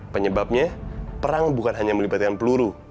penyebabnya perang bukan hanya melibatkan peluru